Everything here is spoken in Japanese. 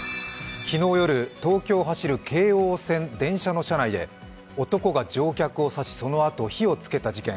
昨日夜、東京を走る京王線電車の車内で男が乗客を刺し、そのあと火をつけた事件。